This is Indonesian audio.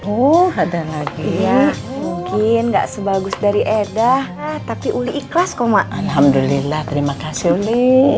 oh ada lagi ya mungkin enggak sebagus dari edah tapi uli ikhlas koma alhamdulillah terima kasih